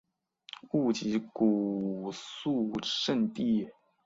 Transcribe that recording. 勿吉古肃慎地也。